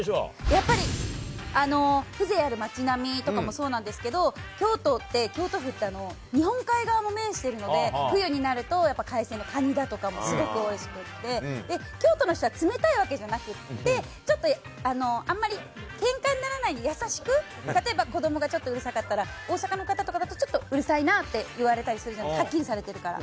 やっぱり、風情ある町並みとかもそうなんですけど、京都って、京都府って、日本海側も面してるので、冬になると海鮮のカニだとかもすごくおいしくて、京都の人は冷たいわけじゃなくて、ちょっと、あんまり、けんかにならないで、優しく、例えば子どもがちょっとうるさかったら、大阪の方とかだと、ちょっとうるさいなって言われたりするじゃないですか、はっきりされてるから。